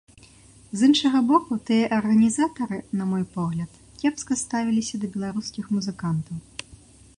З іншага боку, тыя арганізатары, на мой погляд, кепска ставіліся да беларускіх музыкантаў.